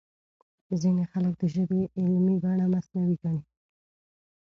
ځينې خلک د ژبې علمي بڼه مصنوعي ګڼي.